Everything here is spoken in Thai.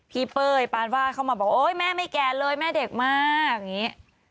เป้ยปานว่าเข้ามาบอกโอ๊ยแม่ไม่แก่เลยแม่เด็กมากอย่างนี้